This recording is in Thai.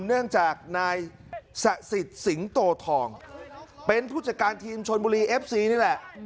เนื่องจากนายสะสิทธิ์สิงโตทองเป็นผู้จัดการทีมชนบุรีเอฟซีนี่แหละ